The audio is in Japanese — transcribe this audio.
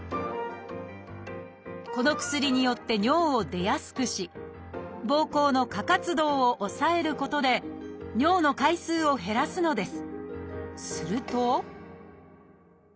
この薬によって尿を出やすくしぼうこうの過活動を抑えることで尿の回数を減らすのです。